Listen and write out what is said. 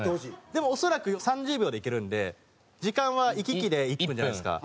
でも恐らく３０秒で行けるんで時間は行き来で１分じゃないですか。